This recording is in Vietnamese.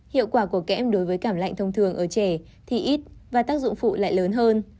hiệu quả của các em đối với cảm lạnh thông thường ở trẻ thì ít và tác dụng phụ lại lớn hơn